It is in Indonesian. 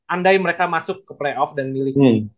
andai mereka masuk ke playoff dan miliki